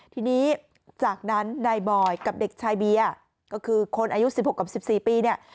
ทีนี้จากนั้นนายบอยกับเด็กชายเบียร์ก็คือคนอายุ๑๖กับ๑๔ปีเนี่ย